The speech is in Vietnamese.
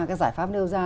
các giải pháp nêu ra